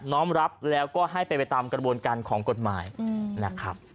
้อมรับแล้วก็ให้เป็นไปตามกระบวนการของกฎหมายนะครับ